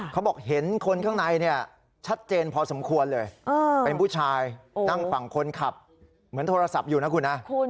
เขาบอกเห็นคนข้างในเนี่ยชัดเจนพอสมควรเลยเป็นผู้ชายนั่งฝั่งคนขับเหมือนโทรศัพท์อยู่นะคุณนะ